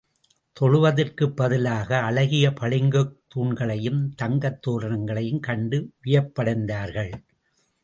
தொழுவதற்குப் பதிலாக அழகிய பளிங்குத் தூண்களையும், தங்கத் தோரணங்களையும் கண்டு வியப்படைந்தார்கள்.